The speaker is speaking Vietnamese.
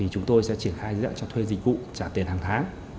chúng tôi sẽ triển khai cho thuê dịch vụ trả tiền hàng tháng